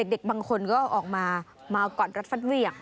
เด็กบางคนก็ออกมามากอดรัดฟัดเวียง